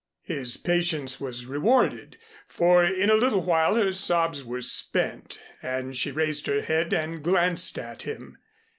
His patience was rewarded, for in a little while her sobs were spent, and she raised her head and glanced at him.